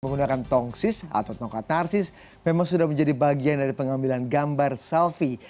menggunakan tongsis atau tongkat narsis memang sudah menjadi bagian dari pengambilan gambar selfie